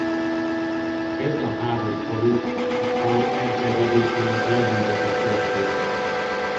Ez a három falu a faj elterjedésének legnyugatibb térsége.